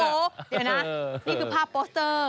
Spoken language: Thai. เดี๋ยวนะนี่คือภาพโปสเตอร์